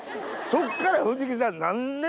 そっから藤木さん何年。